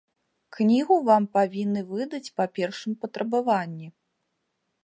Кнігу вам павінны выдаць па першым патрабаванні.